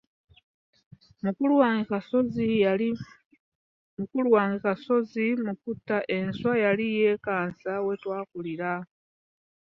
Mukulu wange Kasozi mu kutta enswa yali yeekansa we twakulira.